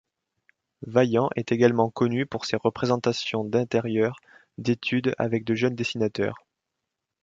Vaillant est également connu pour ses représentations d’intérieurs d’études avec de jeunes dessinateurs.